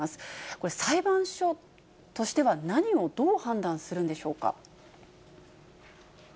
これ、裁判所としては何をどう判断するんでしょうか。